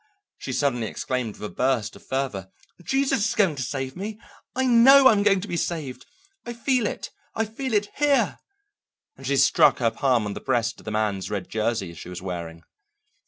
she suddenly exclaimed with a burst of fervor, "Jesus is going to save me. I know I'm going to be saved. I feel it, I feel it here," and she struck her palm on the breast of the man's red jersey she was wearing.